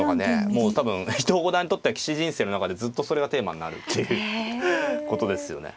もう多分伊藤五段にとっては棋士人生の中でずっとそれがテーマになるっていうことですよね。